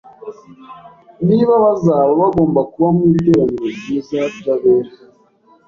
niba bazaba bagomba kuba mu iteraniro ryiza ry’abera